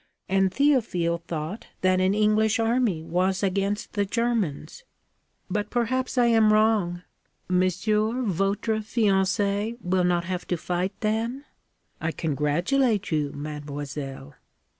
And Théophile thought that an English army was against the Germans. But perhaps I am wrong. Monsieur votre fiancé will not have to fight, then? I congratulate you, mademoiselle.'